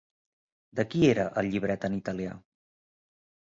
De qui era el llibret en italià?